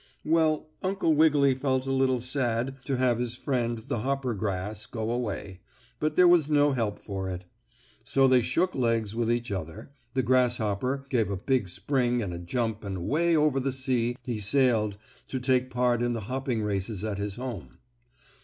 Well, Uncle Wiggily felt a little sad to have his friend, the hoppergrass, go away, but there was no help for it. So they shook legs with each other, the grasshopper gave a big spring and a jump and away over the sea he sailed to take part in the hopping races at his home.